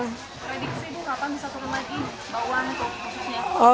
prediksi bu kapan bisa turun lagi bawang tuh